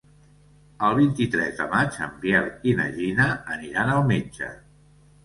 El vint-i-tres de maig en Biel i na Gina aniran al metge.